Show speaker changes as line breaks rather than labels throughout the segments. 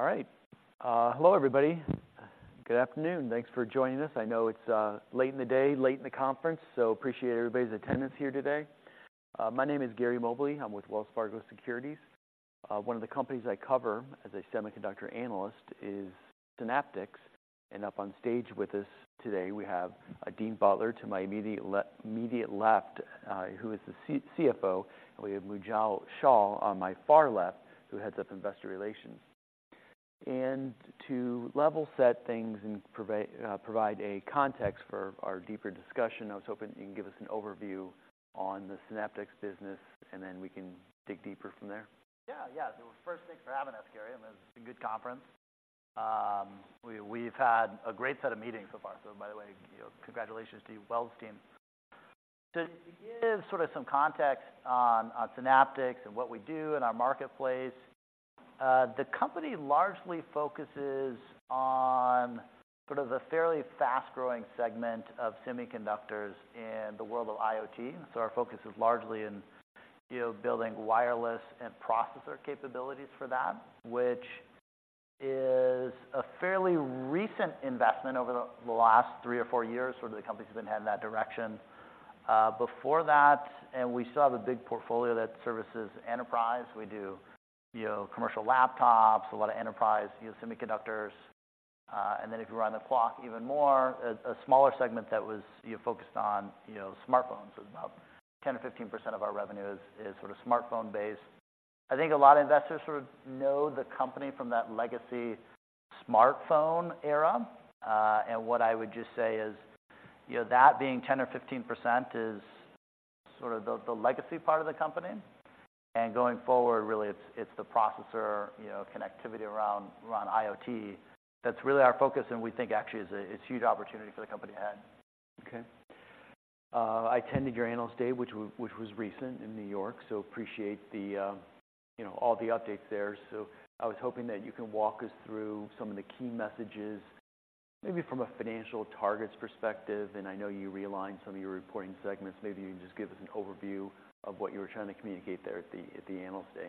All right. Hello, everybody. Good afternoon. Thanks for joining us. I know it's late in the day, late in the conference, so appreciate everybody's attendance here today. My name is Gary Mobley. I'm with Wells Fargo Securities. One of the companies I cover as a semiconductor analyst is Synaptics, and up on stage with us today, we have Dean Butler to my immediate left, who is the CFO, and we have Munjal Shah on my far left, who heads up investor relations. To level set things and provide a context for our deeper discussion, I was hoping you can give us an overview on the Synaptics business, and then we can dig deeper from there.
Yeah. Yeah. So first, thanks for having us, Gary, and it's a good conference. We've had a great set of meetings so far. So by the way, you know, congratulations to you, Wells team. To give sort of some context on Synaptics and what we do in our marketplace, the company largely focuses on sort of the fairly fast-growing segment of semiconductors in the world of IoT. So our focus is largely in, you know, building wireless and processor capabilities for that, which is a fairly recent investment over the last three or four years, where the company's been heading that direction. Before that, and we still have a big portfolio that services enterprise. We do, you know, commercial laptops, a lot of enterprise, you know, semiconductors, and then if you run the clock even more, a smaller segment that was, you know, focused on, you know, smartphones. About 10%-15% of our revenue is, is sort of smartphone-based. I think a lot of investors sort of know the company from that legacy smartphone era, and what I would just say is, you know, that being 10% or 15% is sort of the, the legacy part of the company, and going forward, really, it's, it's the processor, you know, connectivity around, around IoT. That's really our focus, and we think actually is a, it's huge opportunity for the company ahead.
Okay. I attended your Analyst Day, which was recent in New York, so appreciate the, you know, all the updates there. So I was hoping that you can walk us through some of the key messages, maybe from a financial targets perspective, and I know you realigned some of your reporting segments. Maybe you can just give us an overview of what you were trying to communicate there at the Analyst Day.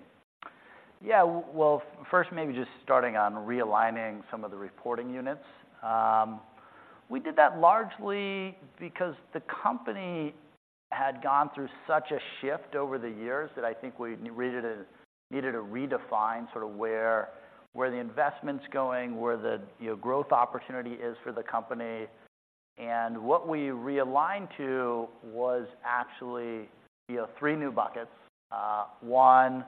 Yeah, well, first, maybe just starting on realigning some of the reporting units. We did that largely because the company had gone through such a shift over the years that I think we really needed to redefine sort of where, where the investment's going, where the, you know, growth opportunity is for the company. And what we realigned to was actually, you know, three new buckets. One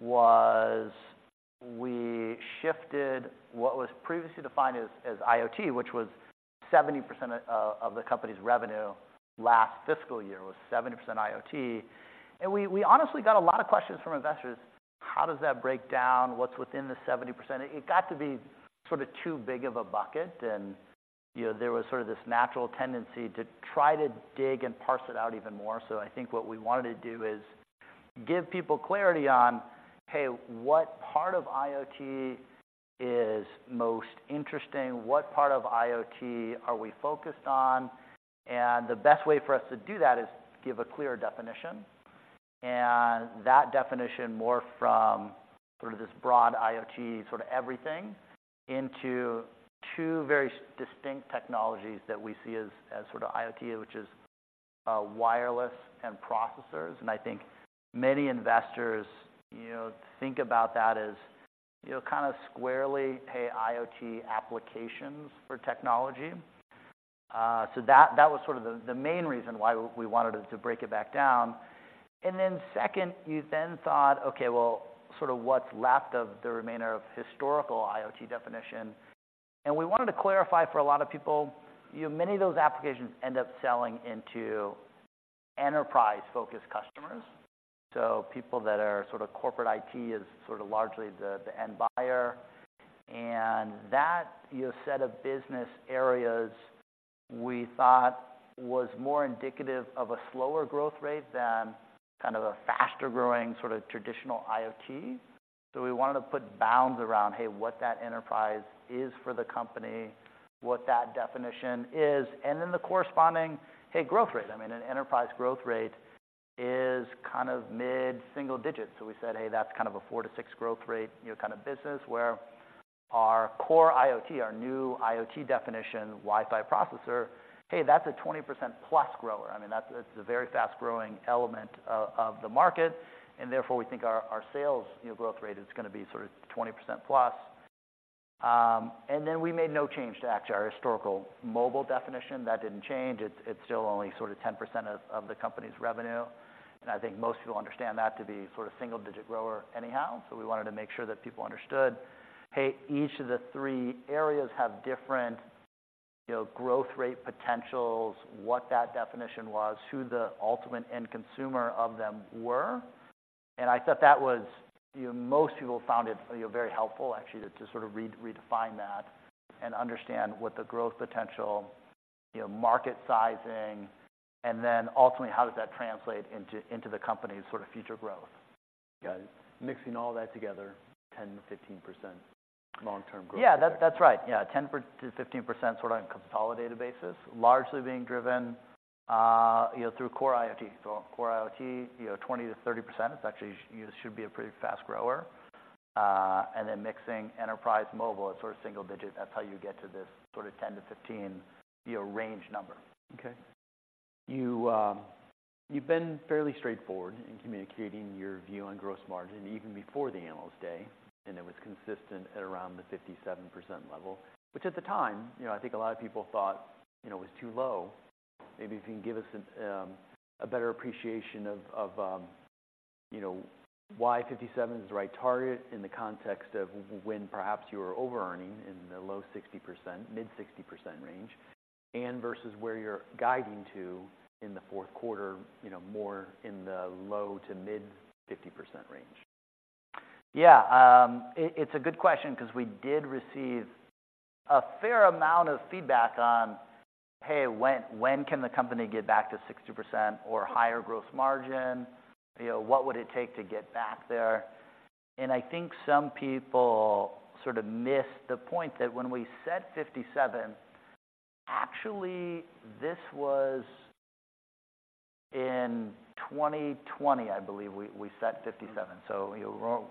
was we shifted what was previously defined as, as IoT, which was 70% of, of the company's revenue. Last fiscal year was 70% IoT. And we, we honestly got a lot of questions from investors: How does that break down? What's within the 70%? It got to be sort of too big of a bucket, and, you know, there was sort of this natural tendency to try to dig and parse it out even more. So I think what we wanted to do is give people clarity on, hey, what part of IoT is most interesting? What part of IoT are we focused on? And the best way for us to do that is give a clear definition, and that definition more from sort of this broad IoT, sort of everything, into two very distinct technologies that we see as, as sort of IoT, which is, wireless and processors. And I think many investors, you know, think about that as, you know, kind of squarely, hey, IoT applications for technology. So that, that was sort of the main reason why we wanted to break it back down. And then second, you then thought, okay, well, sort of what's left of the remainder of historical IoT definition? We wanted to clarify for a lot of people, you know, many of those applications end up selling into Enterprise-focused customers, so people that are sort of corporate IT is sort of largely the end buyer. And that, you know, set of business areas, we thought was more indicative of a slower growth rate than kind of a faster-growing, sort of traditional IoT. So we wanted to put bounds around, hey, what that Enterprise is for the company, what that definition is, and then the corresponding, hey, growth rate. I mean, an Enterprise growth rate is kind of mid-single digits. So we said, "Hey, that's kind of a 4-6 growth rate, you know, kind of business," where our Core IoT, our new IoT definition, Wi-Fi processor, hey, that's a 20%+ grower. I mean, that's, that's a very fast-growing element of, of the market, and therefore, we think our, our sales, you know, growth rate is gonna be sort of 20%+. And then we made no change to actually our historical Mobile definition. That didn't change. It's, it's still only sort of 10% of, of the company's revenue, and I think most people understand that to be sort of single-digit grower anyhow. So we wanted to make sure that people understood, hey, each of the three areas have different, you know, growth rate potentials, what that definition was, who the ultimate end consumer of them were. I thought that was, you know, most people found it, you know, very helpful actually, to sort of redefine that and understand what the growth potential, you know, market sizing, and then ultimately, how does that translate into the company's sort of future growth?
Got it. Mixing all that together, 10%-15% long-term growth?
Yeah, that, that's right. Yeah, 10%-15%, sort of on a consolidated basis, largely being driven, you know, through Core IoT. So Core IoT, you know, 20%-30%, it's actually, it should be a pretty fast grower. And then mixing Enterprise, Mobile, it's sort of single digit. That's how you get to this sort of 10%-15%, you know, range number.
Okay. You've been fairly straightforward in communicating your view on gross margin, even before the Analyst Day, and it was consistent at around the 57% level, which at the time, you know, I think a lot of people thought, you know, it was too low. Maybe if you can give us a better appreciation of, you know, why 57 is the right target in the context of when perhaps you were overearning in the low 60%, mid 60% range, and versus where you're guiding to in the fourth quarter, you know, more in the low-to-mid 50% range.
Yeah, it's a good question 'cause we did receive a fair amount of feedback on, "Hey, when can the company get back to 60% or higher gross margin? You know, what would it take to get back there?" And I think some people sort of missed the point that when we set 57%, actually this was in 2020, I believe we set 57%. So, you know,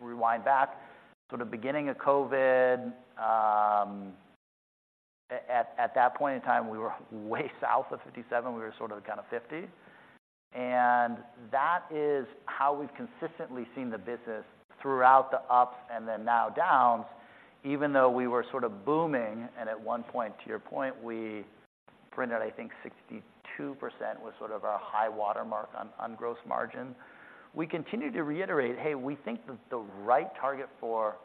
rewind back to the beginning of COVID, at that point in time, we were way south of 57%. We were sort of kind of 50%. And that is how we've consistently seen the business throughout the ups and then now downs, even though we were sort of booming, and at one point, to your point, we printed, I think 62%, was sort of our high watermark on gross margin. We continued to reiterate, hey, we think that the right target for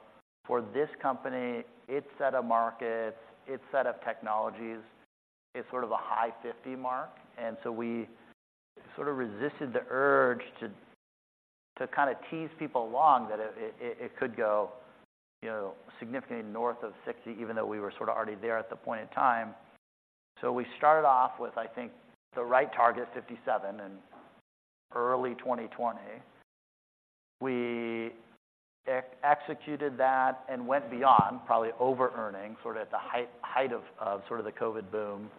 this company, its set of markets, its set of technologies, is sort of a high 50 mark. And so we sort of resisted the urge to kind of tease people along, that it could go, you know, significantly north of 60, even though we were sort of already there at the point in time. So we started off with, I think, the right target, 57, in early 2020. We executed that and went beyond, probably overearning, sort of at the height of the COVID boom.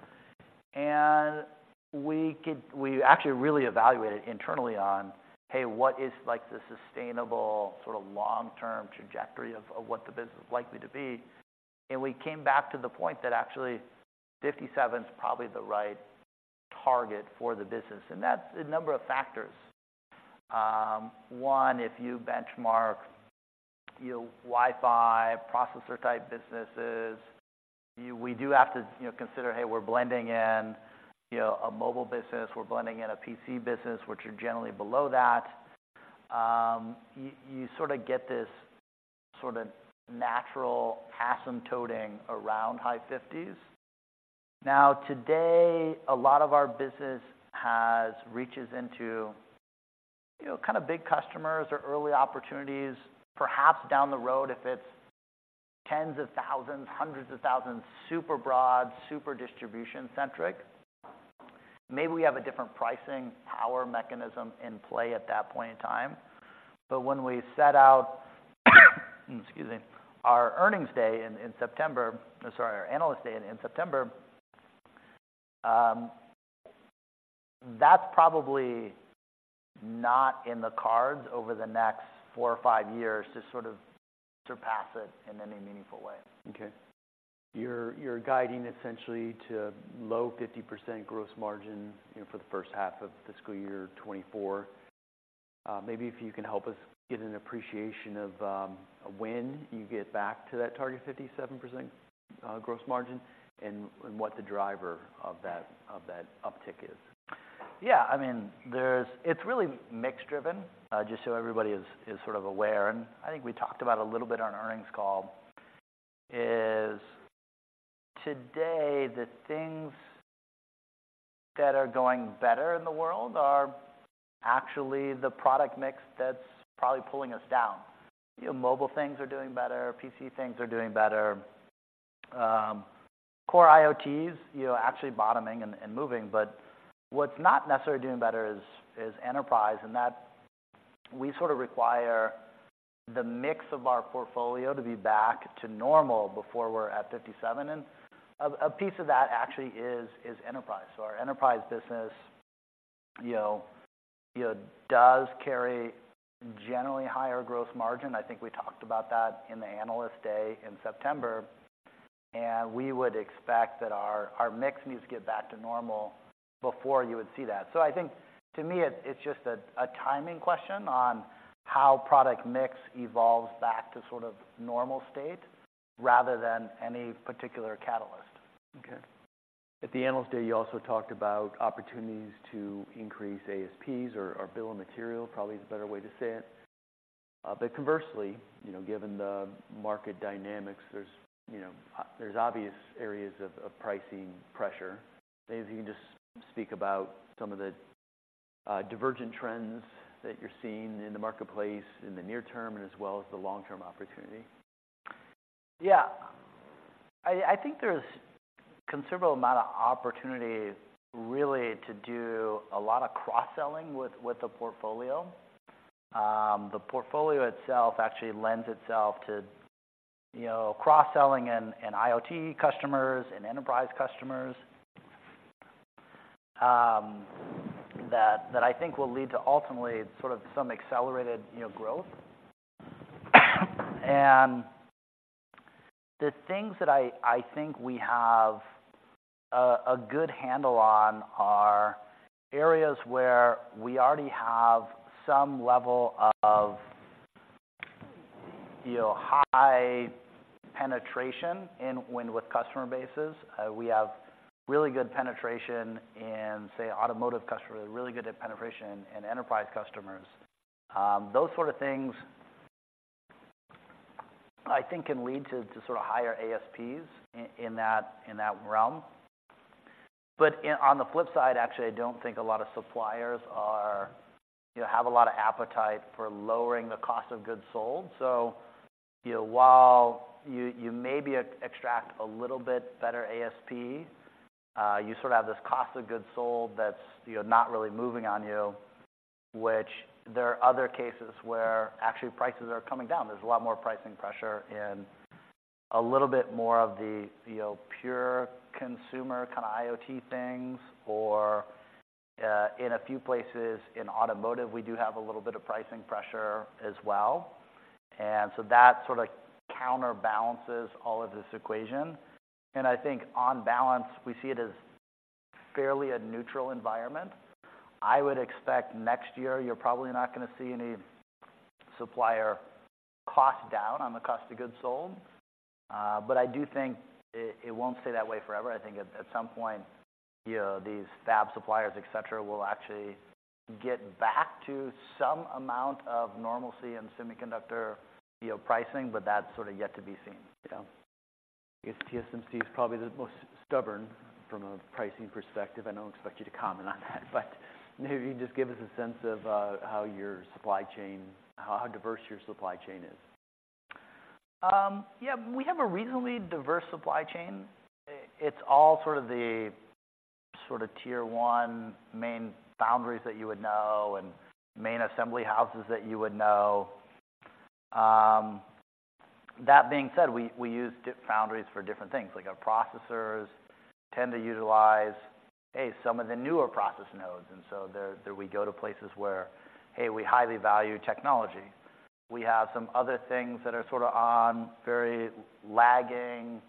And we actually really evaluated internally on, hey, what is, like, the sustainable sort of long-term trajectory of what the business is likely to be? We came back to the point that actually 57 is probably the right target for the business, and that's a number of factors. One, if you benchmark, you know, Wi-Fi, processor-type businesses, we do have to, you know, consider, hey, we're blending in, you know, a mobile business, we're blending in a PC business, which are generally below that. You sort of get this sort of natural asymptoting around high 50s. Now, today, a lot of our business reaches into, you know, kind of big customers or early opportunities. Perhaps down the road, if it's tens of thousands, hundreds of thousands, super broad, super distribution-centric, maybe we have a different pricing power mechanism in play at that point in time. But when we set out, excuse me, our earnings day in, in September, sorry, our Analyst Day in September, that's probably not in the cards over the next four or five years to sort of surpass it in any meaningful way.
Okay. You're, you're guiding essentially to low 50% gross margin, you know, for the first half of fiscal year 2024. Maybe if you can help us get an appreciation of when you get back to that target 57% gross margin, and, and what the driver of that, of that uptick is.
Yeah, I mean, there's... It's really mix driven, just so everybody is sort of aware, and I think we talked about a little bit on earnings call, is today, the things that are going better in the world are actually the product mix that's probably pulling us down. You know, Mobile things are doing better, PC things are doing better. Core IoT, you know, actually bottoming and moving, but what's not necessarily doing better is Enterprise, and that we sort of require the mix of our portfolio to be back to normal before we're at 57%, and a piece of that actually is Enterprise. So our Enterprise business, you know, does carry generally higher gross margin. I think we talked about that in the Analyst Day in September, and we would expect that our mix needs to get back to normal before you would see that. So I think to me, it's just a timing question on how product mix evolves back to sort of normal state rather than any particular catalyst.
Okay. At the Analyst Day, you also talked about opportunities to increase ASPs or bill of material, probably is a better way to say it. But conversely, you know, given the market dynamics, there's, you know, there's obvious areas of pricing pressure. Maybe you can just speak about some of the divergent trends that you're seeing in the marketplace in the near term and as well as the long-term opportunity.
Yeah. I think there's considerable amount of opportunity, really, to do a lot of cross-selling with the portfolio. The portfolio itself actually lends itself to you know, cross-selling in IoT customers and enterprise customers, that I think will lead to ultimately sort of some accelerated, you know, growth. And the things that I think we have a good handle on are areas where we already have some level of, you know, high penetration in with customer bases. We have really good penetration in, say, automotive customers, really good penetration in enterprise customers. Those sort of things, I think, can lead to sort of higher ASPs in that realm. But on the flip side, actually, I don't think a lot of suppliers are, you know, have a lot of appetite for lowering the cost of goods sold. So, you know, while you maybe extract a little bit better ASP, you sort of have this cost of goods sold that's, you know, not really moving on you, which there are other cases where actually prices are coming down. There's a lot more pricing pressure and a little bit more of the, you know, pure consumer kind of IoT things, or in a few places in automotive, we do have a little bit of pricing pressure as well. And so that sort of counterbalances all of this equation. And I think on balance, we see it as fairly a neutral environment. I would expect next year you're probably not gonna see any supplier cost down on the cost of goods sold, but I do think it won't stay that way forever. I think at some point, you know, these fab suppliers, et cetera, will actually get back to some amount of normalcy in semiconductor, you know, pricing, but that's sort of yet to be seen, you know.
I guess TSMC is probably the most stubborn from a pricing perspective. I don't expect you to comment on that, but maybe you can just give us a sense of how diverse your supply chain is.
Yeah, we have a reasonably diverse supply chain. It, it's all sort of the sort of tier one main foundries that you would know and main assembly houses that you would know. That being said, we, we use different foundries for different things. Like our processors tend to utilize, a, some of the newer process nodes, and so there, there we go to places where, hey, we highly value technology. We have some other things that are sort of on very lagging,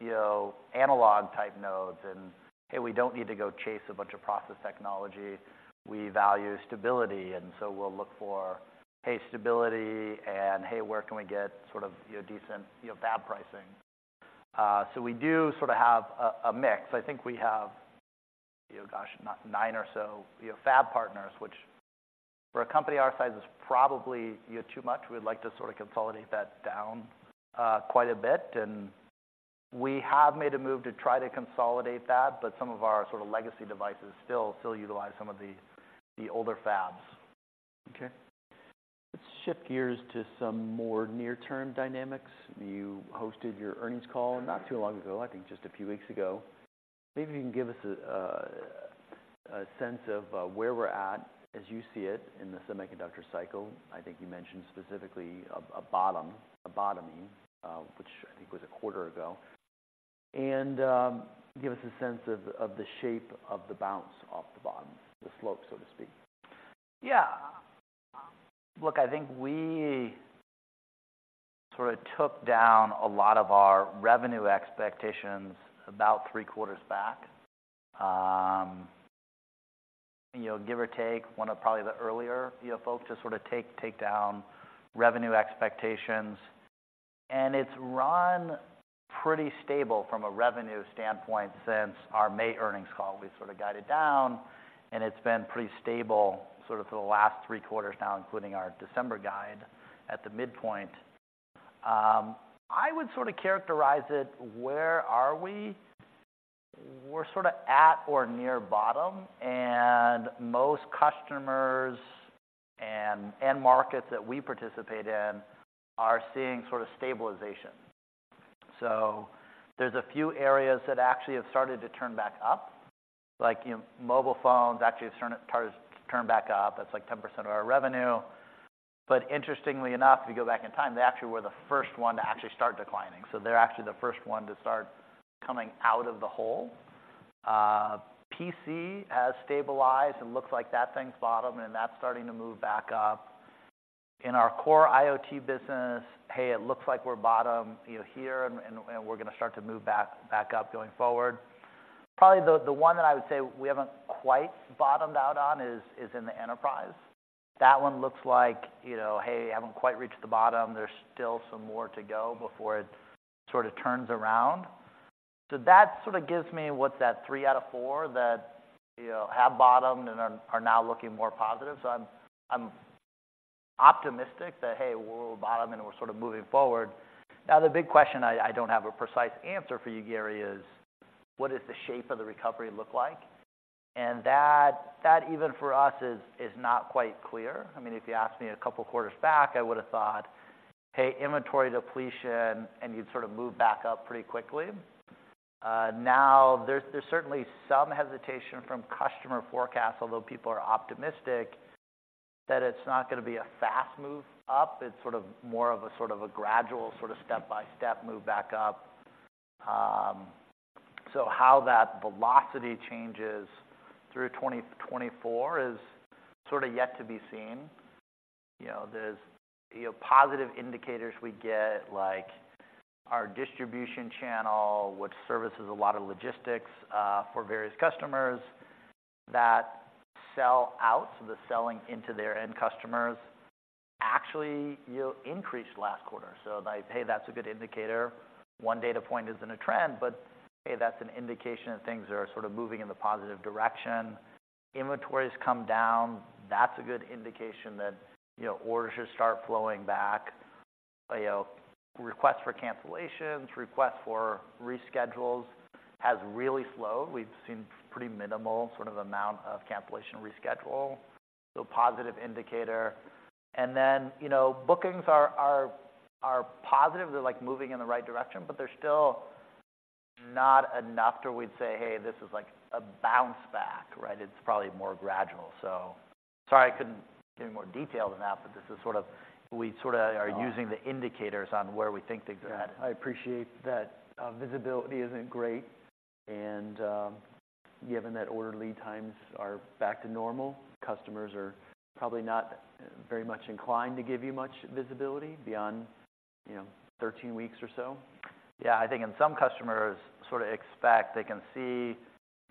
you know, analog-type nodes, and, hey, we don't need to go chase a bunch of process technology. We value stability, and so we'll look for, hey, stability, and, hey, where can we get sort of, you know, decent, you know, fab pricing? So we do sort of have a, a mix. I think we have, you know, gosh, nine or so, you know, fab partners, which for a company our size is probably, yeah, too much. We'd like to sort of consolidate that down quite a bit, and we have made a move to try to consolidate that, but some of our sort of legacy devices still utilize some of the older fabs.
Okay. Let's shift gears to some more near-term dynamics. You hosted your earnings call not too long ago, I think just a few weeks ago. Maybe you can give us a sense of where we're at as you see it in the semiconductor cycle. I think you mentioned specifically a bottom, a bottoming, which I think was a quarter ago. And give us a sense of the shape of the bounce off the bottom, the slope, so to speak.
Yeah. Look, I think we sort of took down a lot of our revenue expectations about three quarters back. You know, give or take, one of probably the earlier, you know, folks to sort of take down revenue expectations. And it's run pretty stable from a revenue standpoint since our May earnings call. We sort of got it down, and it's been pretty stable sort of for the last three quarters now, including our December guide at the midpoint. I would sort of characterize it, where are we? We're sort of at or near bottom, and most customers and end markets that we participate in are seeing sort of stabilization. So there's a few areas that actually have started to turn back up, like, you know, mobile phones actually have started to turn back up. That's like 10% of our revenue. But interestingly enough, if you go back in time, they actually were the first one to actually start declining, so they're actually the first one to start coming out of the hole. PC has stabilized and looks like that thing's bottomed, and that's starting to move back up. In our Core IoT business, hey, it looks like we're bottom, you know, here, and we're gonna start to move back up going forward. Probably the one that I would say we haven't quite bottomed out on is in the Enterprise. That one looks like, you know, hey, haven't quite reached the bottom, there's still some more to go before it sort of turns around. So that sort of gives me, what, that three out of four that, you know, have bottomed and are now looking more positive. I'm optimistic that, hey, we're bottomed and we're sort of moving forward. Now, the big question I don't have a precise answer for you, Gary, is what does the shape of the recovery look like? And that even for us is not quite clear. I mean, if you asked me a couple quarters back, I would've thought, hey, inventory depletion, and you'd sort of move back up pretty quickly. Now, there's certainly some hesitation from customer forecasts, although people are optimistic that it's not gonna be a fast move up. It's sort of more of a sort of a gradual, sort of step-by-step move back up. So how that velocity changes through 2024 is sort of yet to be seen. You know, there's, you know, positive indicators we get, like our distribution channel, which services a lot of logistics for various customers that sell out. So the selling into their end customers actually, you know, increased last quarter. So like, hey, that's a good indicator. One data point isn't a trend, but, hey, that's an indication that things are sort of moving in the positive direction. Inventories come down, that's a good indication that, you know, orders should start flowing back. You know, requests for cancellations, requests for reschedules has really slowed. We've seen pretty minimal sort of amount of cancellation and reschedule, so positive indicator. And then, you know, bookings are positive. They're, like, moving in the right direction, but they're still not enough that we'd say, "Hey, this is like a bounce back." Right? It's probably more gradual. So, sorry, I couldn't give you more detail than that, but this is sort of, we sort of are using the indicators on where we think things are headed.
Yeah, I appreciate that, visibility isn't great, and, given that order lead times are back to normal, customers are probably not very much inclined to give you much visibility beyond, you know, 13 weeks or so.
Yeah, I think in some customers sort of expect they can see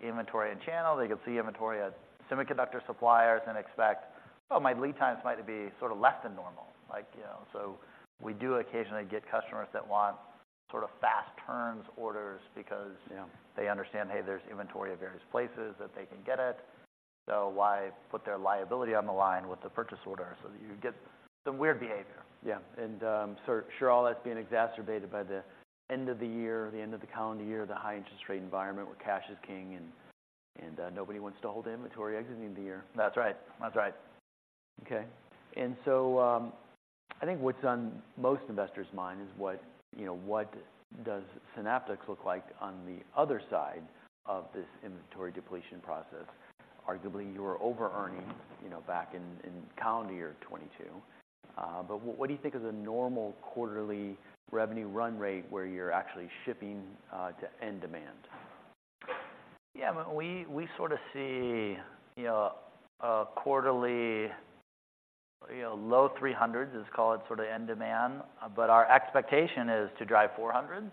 inventory and channel. They can see inventory at semiconductor suppliers and expect, oh, my lead times might be sort of less than normal. Like, you know, so we do occasionally get customers that want sort of fast turns orders because-
Yeah
They understand, hey, there's inventory at various places that they can get it, so why put their liability on the line with the purchase order? So you get some weird behavior.
Yeah, and so sure, all that's being exacerbated by the end of the year, the end of the calendar year, the high interest rate environment, where cash is king, and nobody wants to hold inventory exiting the year.
That's right. That's right.
Okay. And so, I think what's on most investors' mind is what, you know, what does Synaptics look like on the other side of this inventory depletion process? Arguably, you were overearning, you know, back in calendar year 2022. But what do you think is a normal quarterly revenue run rate where you're actually shipping to end demand?
Yeah, but we, we sort of see, you know, a quarterly, you know, low $300s, let's call it, sort of end demand, but our expectation is to drive $400s.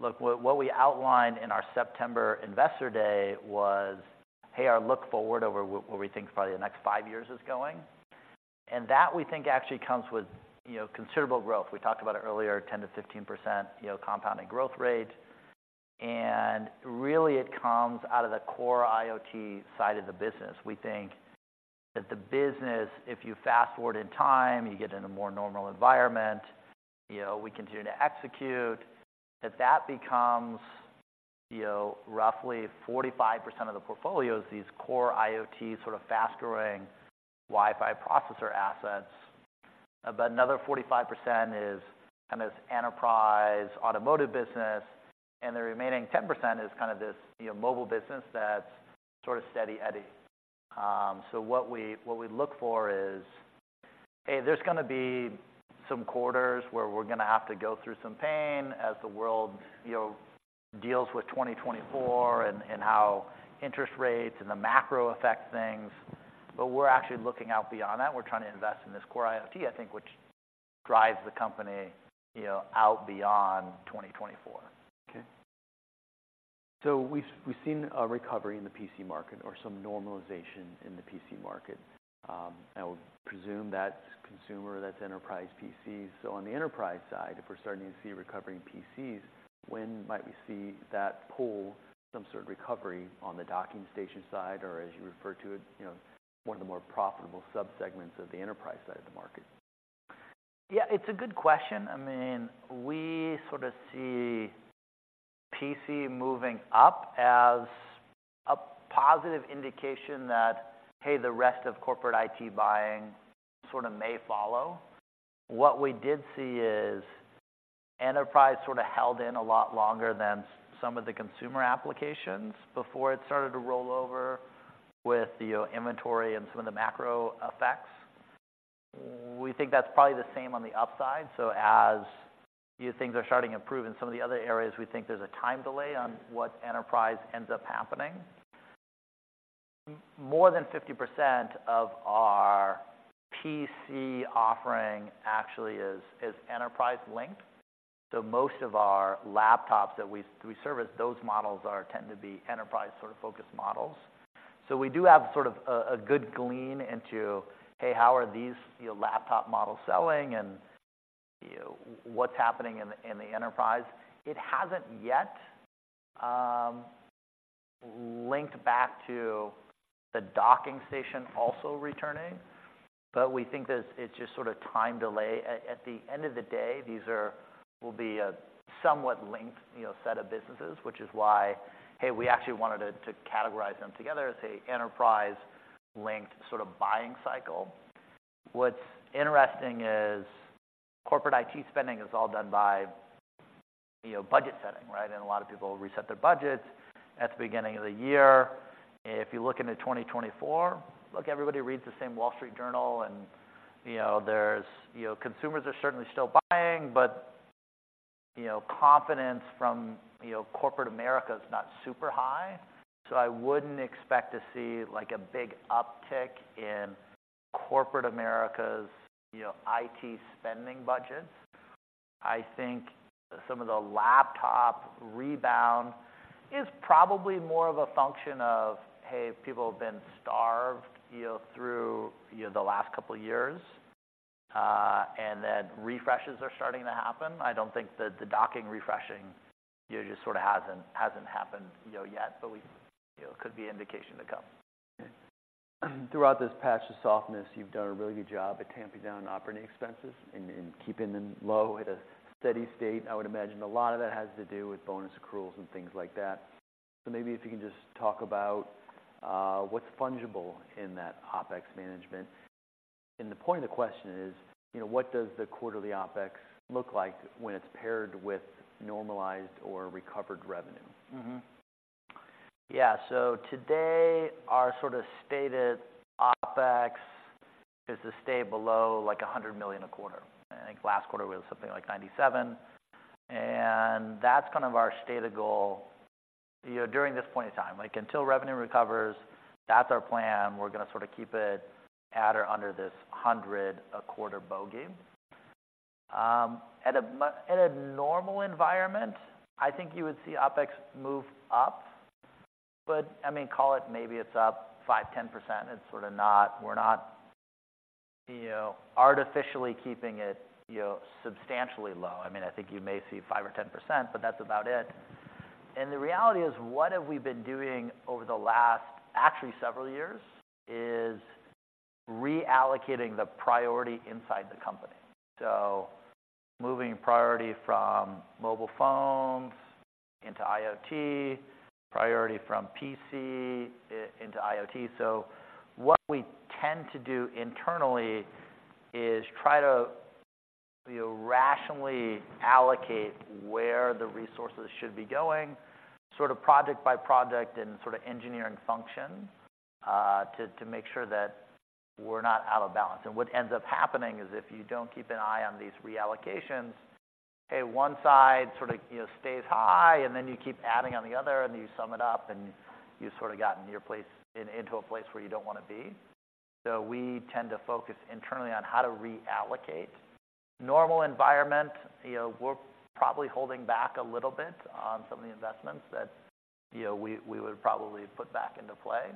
Look, what, what we outlined in our September investor day was, hey, our look forward over what, what we think probably the next five years is going. And that we think actually comes with, you know, considerable growth. We talked about it earlier, 10%-15%, you know, compounding growth rate. And really, it comes out of the Core IoT side of the business. We think that the business, if you fast forward in time, you get in a more normal environment, you know, we continue to execute, that that becomes, you know, roughly 45% of the portfolios, these Core IoT sort of fast-growing Wi-Fi processor assets. About another 45% is kind of this Enterprise Automotive business, and the remaining 10% is kind of this, you know, mobile business that's sort of steady eddy. So what we, what we look for is, hey, there's gonna be some quarters where we're gonna have to go through some pain as the world, you know, deals with 2024 and, and how interest rates and the macro affect things. But we're actually looking out beyond that. We're trying to invest in this Core IoT, I think, which drives the company, you know, out beyond 2024.
Okay. So we've seen a recovery in the PC market or some normalization in the PC market. I would presume that's consumer, that's enterprise PCs. So on the enterprise side, if we're starting to see a recovery in PCs, when might we see that pull some sort of recovery on the docking station side, or as you refer to it, you know, one of the more profitable subsegments of the enterprise side of the market?
Yeah, it's a good question. I mean, we sort of see PC moving up as a positive indication that, hey, the rest of corporate IT buying sort of may follow. What we did see is enterprise sort of held in a lot longer than some of the consumer applications before it started to roll over with the inventory and some of the macro effects. We think that's probably the same on the upside. So as these things are starting to improve in some of the other areas, we think there's a time delay on what enterprise ends up happening. More than 50% of our PC offering actually is enterprise linked. So most of our laptops that we service, those models tend to be enterprise sort of focused models. So we do have sort of a good glean into, hey, how are these, you know, laptop models selling and, you know, what's happening in the enterprise? It hasn't yet linked back to the docking station also returning, but we think that it's just sort of time delay. At the end of the day, these will be a somewhat linked, you know, set of businesses, which is why, hey, we actually wanted to categorize them together as an enterprise-linked sort of buying cycle. What's interesting is corporate IT spending is all done by you know, budget setting, right? And a lot of people reset their budgets at the beginning of the year. If you look into 2024, look, everybody reads the same Wall Street Journal, and, you know, there's, you know, consumers are certainly still buying, but, you know, confidence from, you know, corporate America is not super high. So I wouldn't expect to see, like, a big uptick in corporate America's, you know, IT spending budgets. I think some of the laptop rebound is probably more of a function of, hey, people have been starved, you know, through, you know, the last couple of years, and that refreshes are starting to happen. I don't think that the docking refreshing, you know, just sort of hasn't happened, you know, yet, but we, you know, could be an indication to come.
Throughout this patch of softness, you've done a really good job at tamping down operating expenses and keeping them low at a steady state. I would imagine a lot of that has to do with bonus accruals and things like that. So maybe if you can just talk about what's fungible in that OpEx management. And the point of the question is, you know, what does the quarterly OpEx look like when it's paired with normalized or recovered revenue?
Mm-hmm. Yeah. So today, our sort of stated OpEx is to stay below, like, $100 million a quarter. I think last quarter was something like $97 million, and that's kind of our stated goal, you know, during this point in time. Like, until revenue recovers, that's our plan. We're gonna sort of keep it at or under this $100 million a quarter bogey. At a normal environment, I think you would see OpEx move up, but, I mean, call it maybe it's up 5%-10%. It's sort of not- we're not, you know, artificially keeping it, you know, substantially low. I mean, I think you may see 5% or 10%, but that's about it. And the reality is, what have we been doing over the last, actually several years, is reallocating the priority inside the company. So moving priority from mobile phones into IoT, priority from PC into IoT. What we tend to do internally is try to, you know, rationally allocate where the resources should be going, sort of project by project and sort of engineering function, to, to make sure that we're not out of balance. What ends up happening is, if you don't keep an eye on these reallocations, hey, one side sort of, you know, stays high, and then you keep adding on the other, and you sum it up, and you sort of gotten your place in, into a place where you don't want to be. We tend to focus internally on how to reallocate. Normal environment, you know, we're probably holding back a little bit on some of the investments that, you know, we would probably put back into play,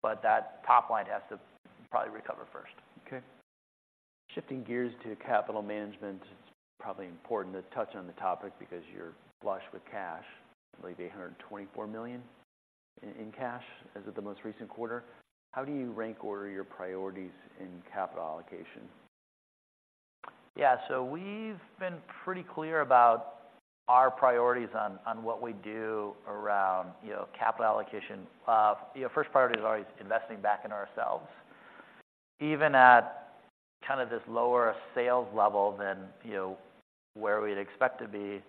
but that top line has to probably recover first.
Okay. Shifting gears to capital management, it's probably important to touch on the topic because you're flush with cash, I believe $124 million in cash, as of the most recent quarter. How do you rank order your priorities in capital allocation?
Yeah. So we've been pretty clear about our priorities on what we do around, you know, capital allocation. You know, first priority is always investing back in ourselves. Even at kind of this lower sales level than, you know, where we'd expect to be,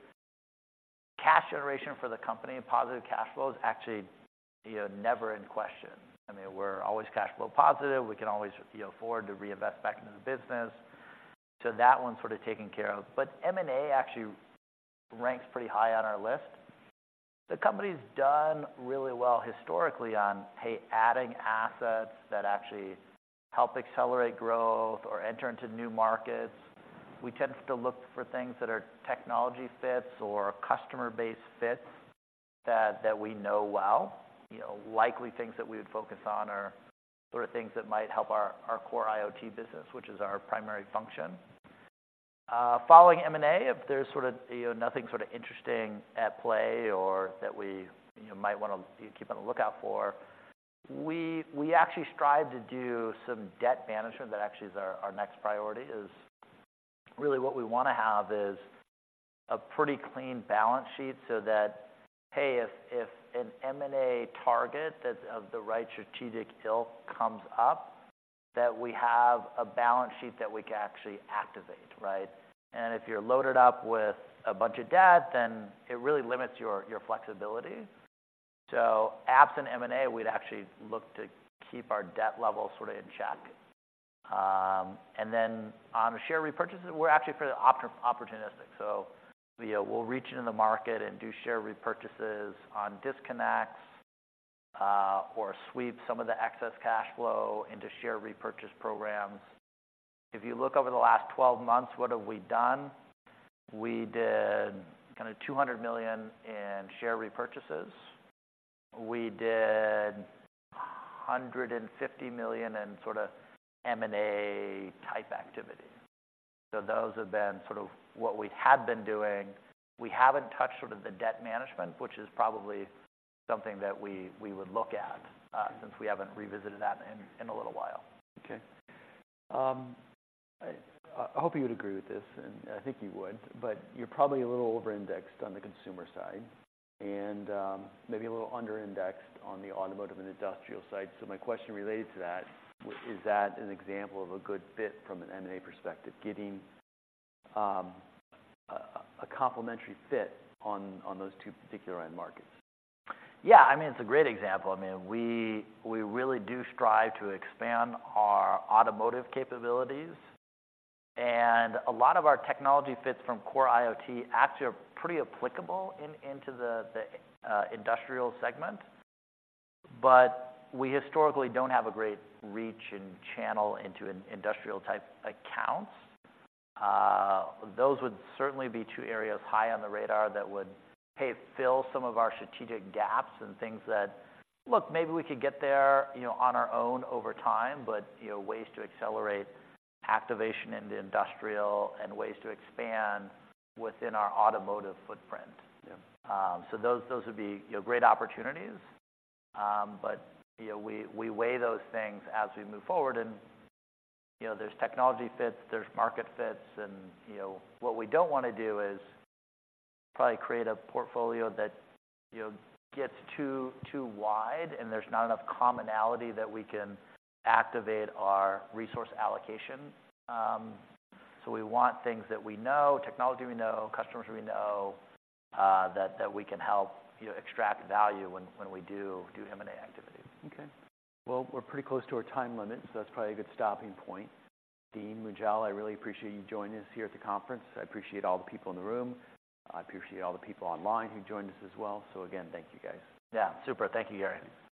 cash generation for the company and positive cash flow is actually, you know, never in question. I mean, we're always cash flow positive. We can always, you know, afford to reinvest back into the business, so that one's sort of taken care of. But M&A actually ranks pretty high on our list. The company's done really well historically on, hey, adding assets that actually help accelerate growth or enter into new markets. We tend to look for things that are technology fits or customer base fits that we know well. You know, likely things that we would focus on are sort of things that might help our, our Core IoT business, which is our primary function. Following M&A, if there's sort of, you know, nothing sort of interesting at play or that we, you know, might wanna keep on the lookout for, we, we actually strive to do some debt management. That actually is our, our next priority, is really what we wanna have is a pretty clean balance sheet, so that, hey, if, if an M&A target that's of the right strategic ilk comes up, that we have a balance sheet that we can actually activate, right? And if you're loaded up with a bunch of debt, then it really limits your, your flexibility. So absent M&A, we'd actually look to keep our debt level sort of in check. And then on the share repurchases, we're actually pretty opportunistic. So, you know, we'll reach into the market and do share repurchases on disconnects, or sweep some of the excess cash flow into share repurchase programs. If you look over the last 12 months, what have we done? We did kinda $200 million in share repurchases. We did $150 million in sort of M&A-type activity. So those have been sort of what we have been doing. We haven't touched sort of the debt management, which is probably something that we would look at, since we haven't revisited that in a little while.
Okay. I hope you would agree with this, and I think you would, but you're probably a little over-indexed on the consumer side and maybe a little under-indexed on the automotive and industrial side. So my question related to that is that an example of a good fit from an M&A perspective, getting a complementary fit on those two particular end markets?
Yeah, I mean, it's a great example. I mean, we really do strive to expand our automotive capabilities, and a lot of our technology fits from Core IoT actually are pretty applicable into the industrial segment. But we historically don't have a great reach and channel into industrial-type accounts. Those would certainly be two areas high on the radar that would fill some of our strategic gaps and things that... Look, maybe we could get there, you know, on our own over time, but, you know, ways to accelerate activation in the industrial and ways to expand within our automotive footprint.
Yeah.
So those would be, you know, great opportunities. But, you know, we weigh those things as we move forward and, you know, there's technology fits, there's market fits, and, you know, what we don't want to do is probably create a portfolio that, you know, gets too wide, and there's not enough commonality that we can activate our resource allocation. So we want things that we know, technology we know, customers we know, that we can help, you know, extract value when we do M&A activity.
Okay. Well, we're pretty close to our time limit, so that's probably a good stopping point. Dean, Munjal, I really appreciate you joining us here at the conference. I appreciate all the people in the room. I appreciate all the people online who joined us as well. So again, thank you, guys.
Yeah, super. Thank you, Gary.